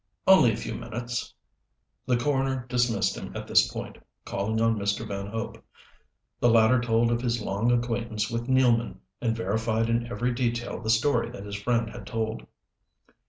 "Only a few minutes." The coroner dismissed him at this point, calling on Mr. Van Hope. The latter told of his long acquaintance with Nealman, and verified in every detail the story that his friend had told.